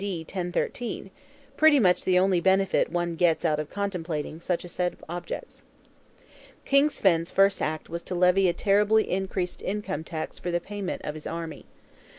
D. 1013), pretty much the only benefit one gets out of contemplating such a set of objects. King Svein's first act was to levy a terribly increased Income Tax for the payment of his army.